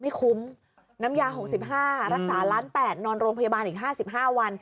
ไม่คุ้มน้ำยา๖๕รักษาล้าน๘นอนโรงพยาบาลอีก๕๕วัน